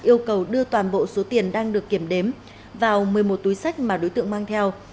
yêu cầu đưa toàn bộ số tiền đang được kiểm đếm vào một mươi một túi sách mà đối tượng mang theo